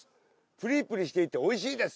「ぷりぷりしていておいしいです」